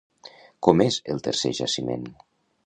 Com és el tercer jaciment?